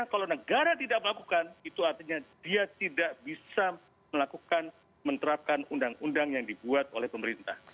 kalau negara tidak melakukan itu artinya dia tidak bisa melakukan menerapkan undang undang yang dibuat oleh pemerintah